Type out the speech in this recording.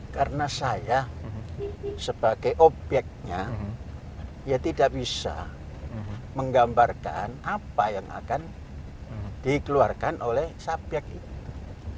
karena saya sebagai obyeknya ya tidak bisa menggambarkan apa yang akan dikeluarkan oleh subyek itu